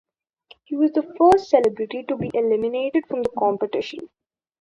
He was the first celebrity to be eliminated from the competition.